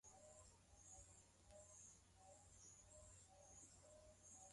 na tatu Hadi wimbi la mapinduzi likifika Libya mambo yalikuwa yamemgeuka na alitumia nguvu